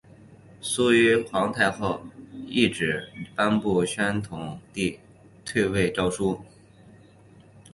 隆裕皇太后懿旨颁布宣统帝退位诏书。